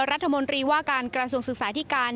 รัฐมนตรีว่าการกระทรวงศึกษาที่การ